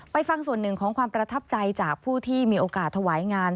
ฟังส่วนหนึ่งของความประทับใจจากผู้ที่มีโอกาสถวายงาน